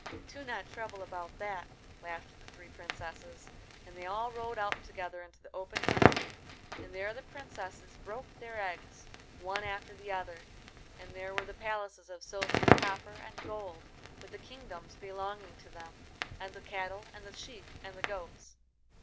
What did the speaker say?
"Do not trouble about that," laughed the three princesses, and they all rode out together into the open country, and there the princesses broke their eggs, one after the other, and there were the palaces of silver, copper, and gold, with the kingdoms belonging to them, and the cattle and the sheep and the goats.